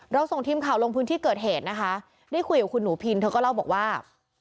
ส่งทีมข่าวลงพื้นที่เกิดเหตุนะคะได้คุยกับคุณหนูพินเธอก็เล่าบอกว่า